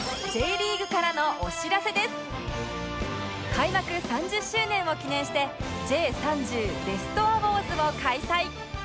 開幕３０周年を記念して Ｊ３０ ベストアウォーズを開催！